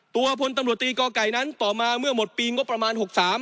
ตัวพตกนั้นต่อมาเมื่อหมดปีงบประมาณ๖๓